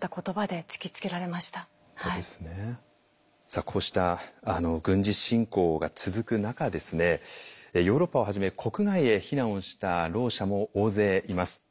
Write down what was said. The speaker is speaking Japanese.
さあこうした軍事侵攻が続く中ヨーロッパをはじめ国外へ避難をしたろう者も大勢います。